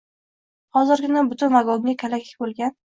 Hozirgina butun vagonga kalaka bo’lgan.